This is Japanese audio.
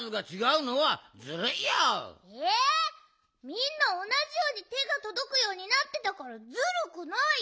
みんなおなじようにてがとどくようになってたからずるくないよ！